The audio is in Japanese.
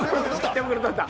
手袋取った！